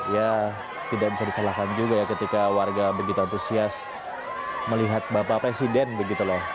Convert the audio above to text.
ya tidak bisa disalahkan juga ya ketika warga begitu antusias melihat bapak presiden begitu loh